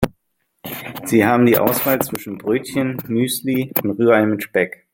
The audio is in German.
Sie haben die Auswahl zwischen Brötchen, Müsli und Rührei mit Speck.